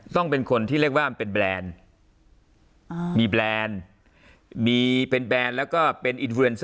ต้องเป็นคนที่เรียกว่าเป็นแบรนด์มีแบรนด์มีเป็นแบรนด์แล้วก็เป็นอินเทรนด์